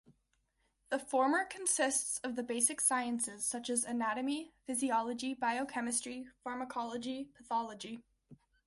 The former consists of the basic sciences such as anatomy, physiology, biochemistry, pharmacology, pathology.